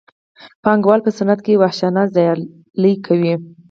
پانګوال په صنعت کې وحشیانه سیالي کوي